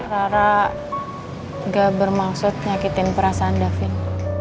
rara gak bermaksud nyakitin perasaan david